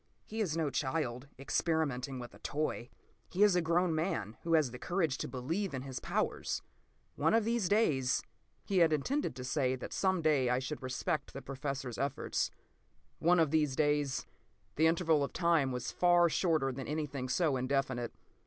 He is no child, experimenting with a toy; he is a grown man who has the courage to believe in his powers. One of these days...." He had intended to say that some day I should respect the Professor's efforts. One of these days! The interval of time was far shorter than anything so indefinite.